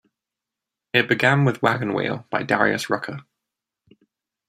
It began with "Wagon Wheel" by Darius Rucker.